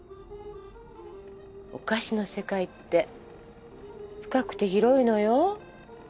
お菓子の世界って深くて広いのよ。